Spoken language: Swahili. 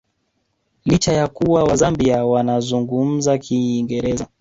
Licha ya kuwa Wazambia wanazungumza Kiingereza